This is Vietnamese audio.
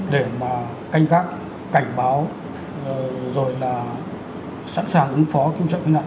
để mà canh khắc cảnh báo rồi là sẵn sàng ứng phó cứu trợ cứu nạn